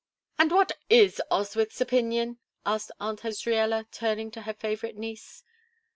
"And what is Oswyth's opinion?" asked Aunt Azraella, turning to her favorite niece.